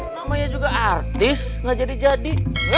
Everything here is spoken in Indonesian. namanya juga artis gak jadi jadi